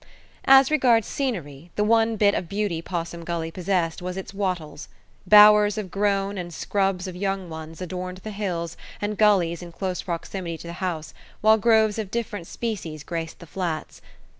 As regards scenery, the one bit of beauty Possum Gully possessed was its wattles. Bowers of grown and scrubs of young ones adorned the hills and gullies in close proximity to the house, while groves of different species graced the flats.